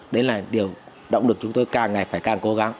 đấy là điều động lực chúng tôi càng ngày phải càng cố gắng